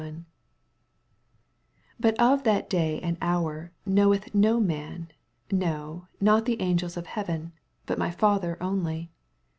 86 Bat of that day and hoar know eth no fnan, no, not the angels of heaven, hat my Father only.